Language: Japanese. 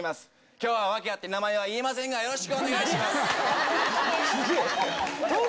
きょうは訳あって、名前は言えませんが、よろしくお願いいたします。